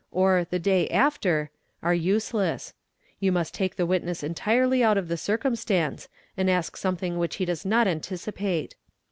or The day after? are useless. You must take th witness entirely out of the circumstance and ask something which he doe not anticipate.